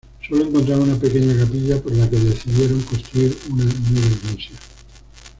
Sólo encontraron una pequeña capilla por lo que decidieron construir una nueva iglesia.